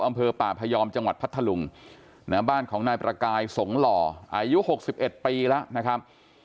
อำเภอป่าพยอมจังหวัดพัทธลุงบ้านของนายประกายสงหล่ออายุ๖๑ปีแล้วนะครับ